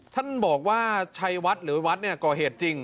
ท่านบอกว่าชัยวัดหรือวัดเนี่ยก่อเหตุจริง